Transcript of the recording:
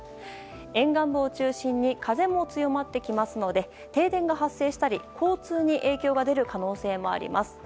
沿岸部を中心に風も強まってきますので停電が発生したり、交通に影響が出る可能性もあります。